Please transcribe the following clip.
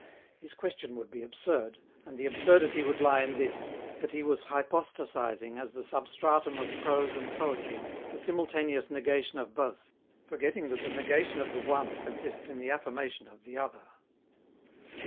His question would be absurd, and the absurdity would lie in this, that he was hypostasizing as the substratum of prose and poetry the simultaneous negation of both, forgetting that the negation of the one consists in the affirmation of the other.